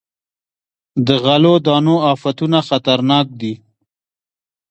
د غلو دانو افتونه خطرناک دي.